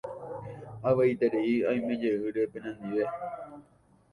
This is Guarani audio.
Avy'aiterei aimejeýre penendive.